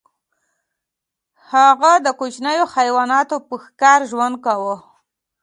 هغه د کوچنیو حیواناتو په ښکار ژوند کاوه.